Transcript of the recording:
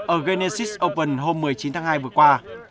ở genesis open hôm một mươi chín tháng hai vừa qua